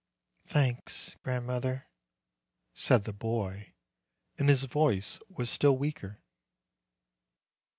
"Thanks, grandmother," said the boy, and his voice was still weaker.